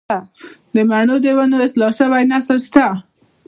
د مڼو د ونو اصلاح شوی نسل شته